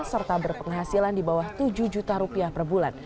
serta berpenghasilan di bawah tujuh juta rupiah per bulan